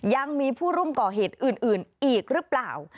ยังมีผู้ร่วมก่อเหตุอื่นอีกหรือเปล่า